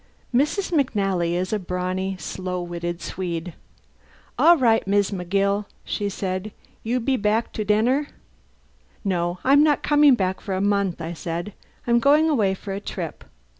Mrs. McNally is a brawny, slow witted Swede. "All right Mis' McGill," she said. "You be back to denner?" "No, I'm not coming back for a month," I said. "I'm going away for a trip.